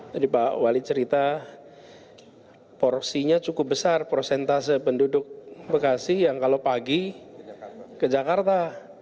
tadi pak wali cerita porsinya cukup besar prosentase penduduk bekasi yang kalau pagi ke jakarta